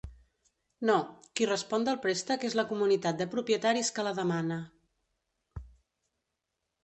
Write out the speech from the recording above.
No, qui respon del préstec és la comunitat de propietaris que la demana.